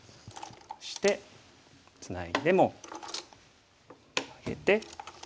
そしてツナいでもマゲて。